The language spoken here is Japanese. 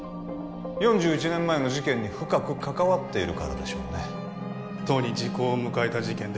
４１年前の事件に深く関わっているからでしょうねとうに時効を迎えた事件です